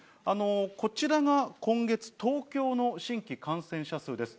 こちらが今月、東京の新規感染者数です。